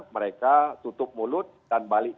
mereka tutup mulut dan balik